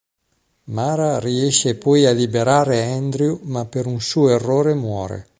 Mara riesce poi a liberare Andrew ma per un suo errore muore.